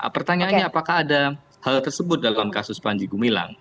pertanyaannya apakah ada hal tersebut dalam kasus panji gumilang